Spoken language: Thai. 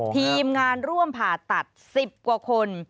ทีมงานร่วมผ่าตัด๑๐กว่าคน